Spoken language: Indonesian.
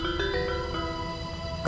kamu tidak bisa mengelak